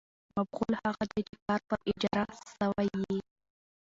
مفعول هغه دئ، چي کار پر اجراء سوی يي.